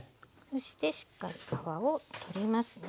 そしてしっかり皮を取りますね。